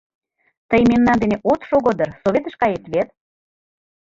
— Тый мемнан дене от шого дыр, советыш кает вет?